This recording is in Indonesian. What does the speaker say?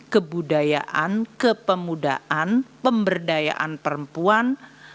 kebudayaan kepemudaan pemberdayaan perempuan